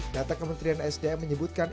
data kementerian sdm menyebutkan